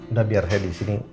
udah biar head di sini